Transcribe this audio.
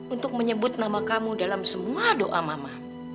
untuk menyebut nama kamu dalam semua doa mama